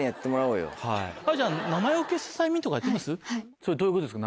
それどういうことですか？